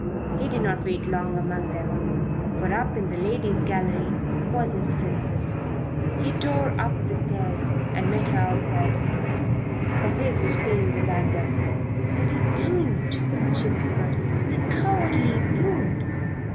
He did not wait long among them, for up in the Ladies' Gallery was his Princess. He tore up the stairs and met her outside. Her face was pale with anger. "The brute!" she whispered. "The cowardly brute!"